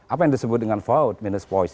apa yang disebut dengan volt minus voice